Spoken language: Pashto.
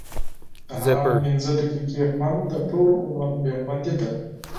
د حرام پنځه دقیقې خوند؛ د ټولو عمر بې خوندي ده.